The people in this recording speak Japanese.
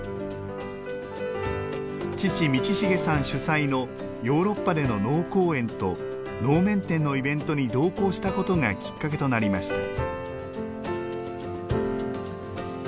父・通成さん主催のヨーロッパでの能公演と能面展のイベントに同行したことがきっかけとなりました。